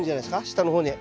下の方に。